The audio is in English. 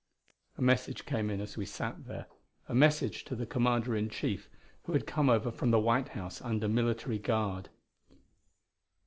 A message came in as we sat there, a message to the Commander in Chief who had come over from the White House under military guard.